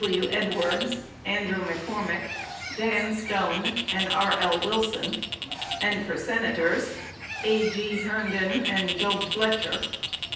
W. Edwards, Andrew McCormick, Dan Stone, and R. L. Wilson; and for Senators, A. G. Herndon and Job Fletcher.